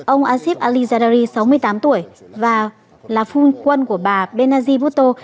ông asif ali zardari sáu mươi tám tuổi và là phu quân của bà benazir bhutto